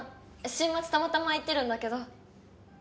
週末たまたま空いてるんだけど。